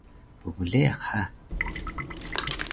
pbleyaq ha!